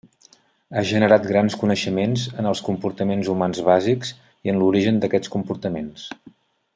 Ha generat grans coneixements en els comportaments humans bàsics i en l'origen d'aquests comportaments.